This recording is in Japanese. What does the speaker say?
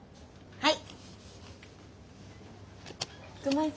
はい。